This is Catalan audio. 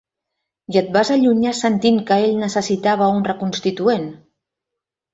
I et vas allunyar sentint que ell necessitava un reconstituent?